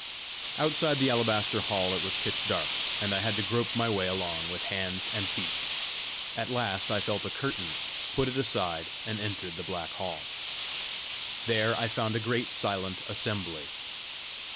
Outside the alabaster hall it was pitch dark, and I had to grope my way along with hands and feet. At last I felt a curtain, put it aside, and entered the black hall. There I found a great silent assembly.